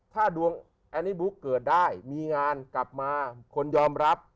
ถ้าดวงอันนี้บุ๊กเกิดได้มีงานกลับมาคนยอมรับ